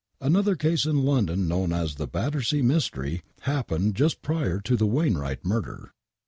Another case in London known as the " Battersea Mystery " happened just prior to the Wainwright murder.